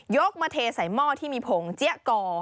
กมาเทใส่หม้อที่มีผงเจี๊ยกอ